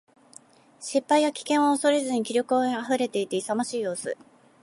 失敗や危険を恐れず気力に溢れていて、勇ましい様子。